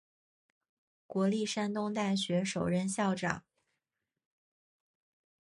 国立山东大学首任校长。